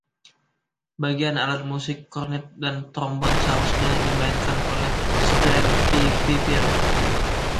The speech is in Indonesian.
Bagian alat musik cornett dan trombon seharusnya dimainkan oleh Stadtpfeifer.